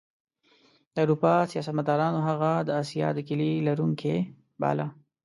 د اروپا سیاستمدارانو هغه د اسیا د کیلي لرونکی باله.